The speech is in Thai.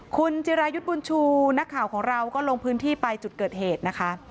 คุณจิรายุทธ์บุญชูนักข่าวของเราก็ลงพื้นที่ไปจุดเกิดเหตุนะคะ